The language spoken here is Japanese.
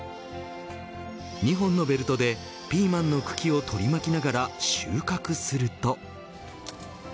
２本のベルトでピーマンの茎を取り巻きながら収穫すると。